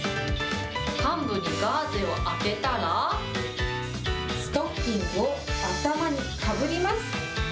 患部にガーゼを当てたら、ストッキングを頭にかぶります。